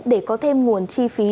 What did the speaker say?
để có thêm nguồn chi